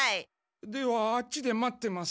ではあっちで待ってます。